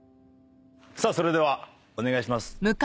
さあそれではお願いします。